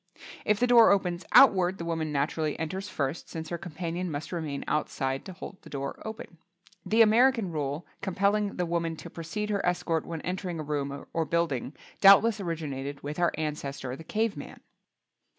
If the door opens outward the woman naturally enters first, since her companion must remain outside to hold the door open. The American rule compelling the woman to precede her escort when entering a room or building doubtless originated with our ancestor the cave man.